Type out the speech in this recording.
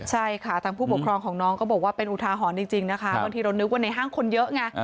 ใช่ค่ะทางผู้ปกครองของน้องก็บอกว่าเป็นอุทาหรณ์จริงนะคะบางทีเรานึกว่าในห้างคนเยอะไง